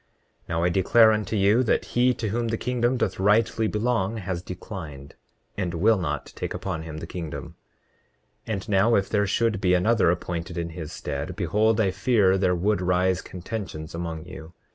29:6 Now I declare unto you that he to whom the kingdom doth rightly belong has declined, and will not take upon him the kingdom. 29:7 And now if there should be another appointed in his stead, behold I fear there would rise contentions among you.